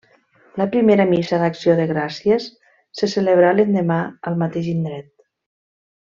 La primera missa d'acció de gràcies se celebrà l'endemà al mateix indret.